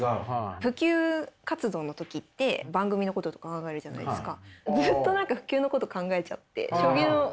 普及活動の時って番組のこととか考えるじゃないですか。